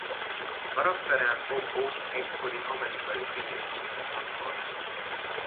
Karaktere Bob Hope egykori amerikai színész-komikuson alapszik.